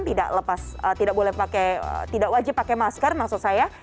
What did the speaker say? tidak wajib pakai masker maksud saya